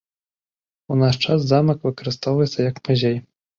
У наш час замак выкарыстоўваецца як музей.